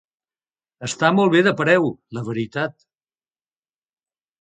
Està molt bé de preu, la veritat.